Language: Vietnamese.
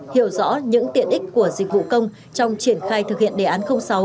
hiểu rõ những tiện ích của dịch vụ công trong triển khai thực hiện đề án sáu